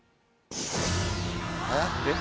えっえっ。